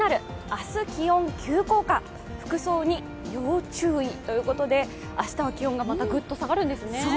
明日気温急降下、服装に要注意ということで明日は気温がまたぐっと下がるんですね。